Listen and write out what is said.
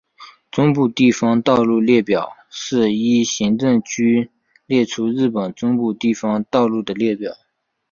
中部地方道路列表是依行政区列出日本中部地方道路的列表。